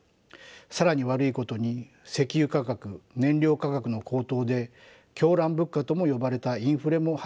更に悪いことに石油価格燃料価格の高騰で狂乱物価とも呼ばれたインフレも発生しました。